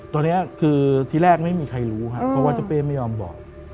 ตอนนี้คือที่แรกไม่มีใครรู้ครับเพราะว่าเจ้าเป้ไม่ยอมบอก